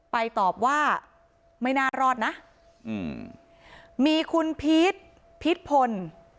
ไปตอบว่าไม่นานรอดนะมีคุณพีชพีชพล